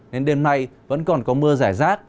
nên đêm nay vẫn còn có mưa rải rác